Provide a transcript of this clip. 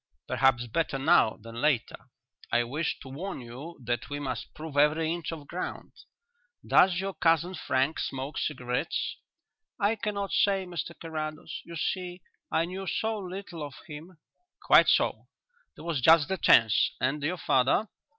"Perhaps better now than later. I wished to warn you that we must prove every inch of ground. Does your cousin Frank smoke cigarettes?" "I cannot say, Mr Carrados. You see ... I knew so little of him." "Quite so; there was just the chance. And your father?"